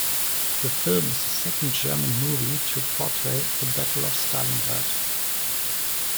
The film is the second German movie to portray the Battle of Stalingrad.